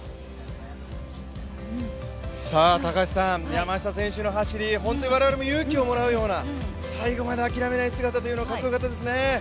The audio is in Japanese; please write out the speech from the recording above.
山下選手の走り、本当に我々も勇気をもらうような最後まで諦めない姿というのはかっこよかったですね。